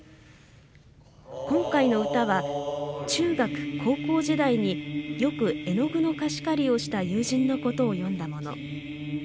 今回の歌は中学・高校時代によく絵の具の貸し借りをした友人のことを詠んだもの。